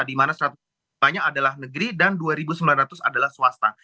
dimana banyak adalah negeri dan dua sembilan ratus adalah swasta